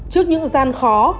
trước những gian khó